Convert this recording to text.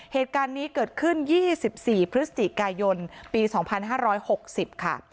เหตุการณ์นี้เกิดขึ้น๒๔พฤศจิกายนปี๒๕๖๐ค่ะ